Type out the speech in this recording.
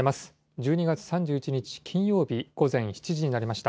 １２月３１日金曜日午前７時になりました。